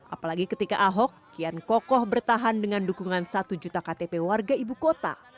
apalagi ketika ahok kian kokoh bertahan dengan dukungan satu juta ktp warga ibu kota